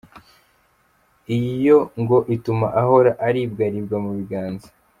Iyi yo ngo ituma ahora aribwaribwa mu biganza.